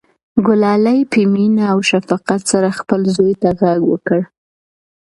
ګلالۍ په مینه او شفقت سره خپل زوی ته غږ وکړ.